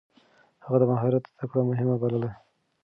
هغه د مهارت زده کړه مهمه بلله.